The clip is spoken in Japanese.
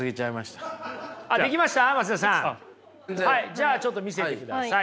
じゃあちょっと見せてください。